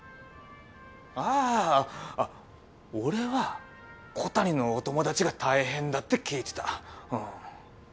ああああっ俺は小谷のお友達が大変だって聞いてたうん。